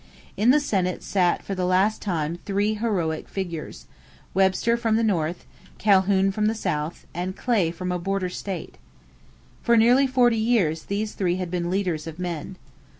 In the Senate sat for the last time three heroic figures: Webster from the North, Calhoun from the South, and Clay from a border state. For nearly forty years these three had been leaders of men.